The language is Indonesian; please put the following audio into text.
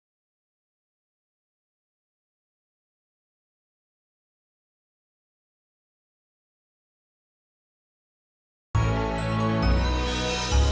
jangan lupa like share dan subscribe ya